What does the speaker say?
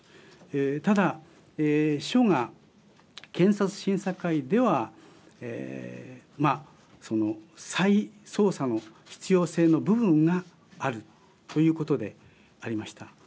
ただ、秘書が検察審査会では再捜査の必要性の部分があるということでありました。